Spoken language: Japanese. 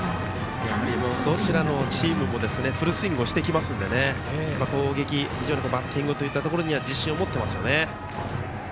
どちらのチームもフルスイングしてきますので攻撃、非常にバッティングには自信を持っていますね。